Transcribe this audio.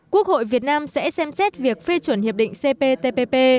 quốc hội việt nam sẽ xem xét việc phê chuẩn hiệp định cptpp